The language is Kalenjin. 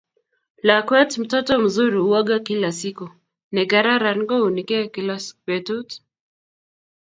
lakwetMtoto mzuri huoga kila siku negararan kouunige kila betut